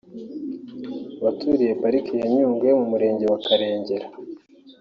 Abaturiye Pariki ya Nyungwe mu murenge wa Karengera